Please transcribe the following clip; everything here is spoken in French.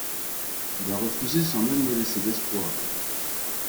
Il a refusé, sans même me laisser d’espoir !…